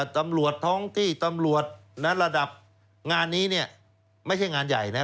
ตำรวจท้องที่ตำรวจระดับงานนี้เนี่ยไม่ใช่งานใหญ่นะ